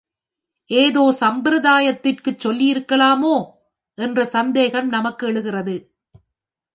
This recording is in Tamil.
ஏதோ சம்பிரதாயத்திற்குச் சொல்லியிருக்கலாமோ? என்ற சந்தேகம் நமக்கு எழுகிறது.